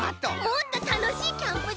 もっとたのしいキャンプ